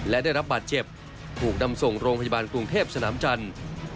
และได้รับบาดเจ็บถูกนำส่งโรงพยาบาลกรุงเทพสนามจันทร์